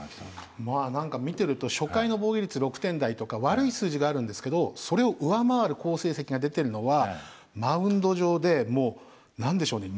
まあ何か見てると初回の防御率６点台とか悪い数字があるんですけどそれを上回る好成績が出てるのはマウンド上で何でしょうね